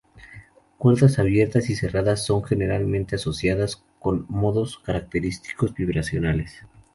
Cuerdas abiertas y cerradas son generalmente asociadas con modos característicos vibracionales.